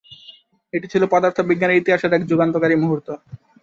এটি ছিল পদার্থবিজ্ঞানের ইতিহাসের এক যুগান্তকারী মুহূর্ত।